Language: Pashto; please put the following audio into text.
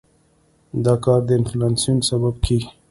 دا کار د انفلاسیون سبب کېږي.